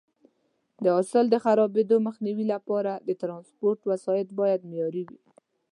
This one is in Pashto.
د حاصل د خرابېدو مخنیوي لپاره د ټرانسپورټ وسایط باید معیاري وي.